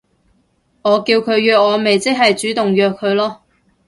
我叫佢約我咪即係主動約佢囉